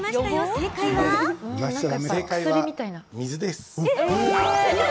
正解は水です。